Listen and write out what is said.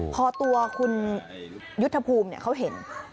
พอตัวคุณยุทธภูมิเขาเห็น